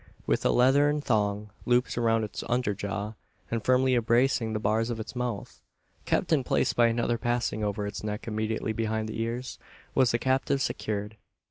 With a leathern thong looped around its under jaw, and firmly embracing the bars of its mouth, kept in place by another passing over its neck immediately behind the ears, was the captive secured.